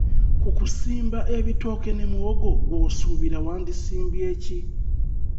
Ku kusimba ebitooke ne muwogo gwe osuubira wandisimbye ki?